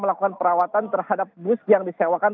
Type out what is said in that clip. melakukan perawatan terhadap bus yang disewakan